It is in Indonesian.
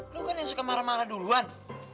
lu kan yang suka marah marah duluan